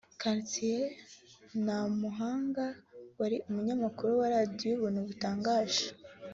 Cassien Ntamuhanga wari umunyamakuru wa Radiyo Ubuntu butangaje